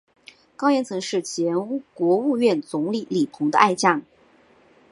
高严曾是前国务院总理李鹏的爱将。